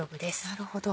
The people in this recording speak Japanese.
なるほど。